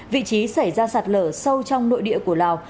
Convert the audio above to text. vị trí xảy ra sạt lở sâu trong nội địa của lào